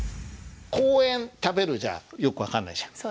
「公園」「食べる」じゃよく分かんないじゃん。